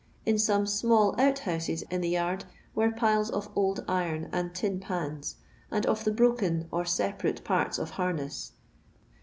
In some small ont houses in the yard were piles of old iron and tin pans, and of the broken or separate parts of harness.